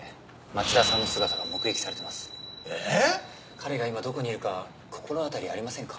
彼が今どこにいるか心当たりありませんか？